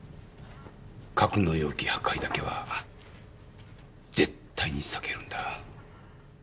格納容器破壊だけは絶対に避けるんだ。